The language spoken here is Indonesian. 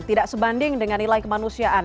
tidak sebanding dengan nilai kemanusiaan